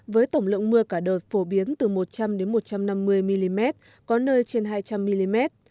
với tổng lượng mưa cả đợt phổ biến từ một trăm linh một trăm năm mươi mm có nơi trên hai trăm linh mm